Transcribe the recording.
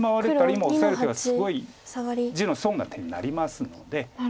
今オサえる手がすごい地の損な手になりますので。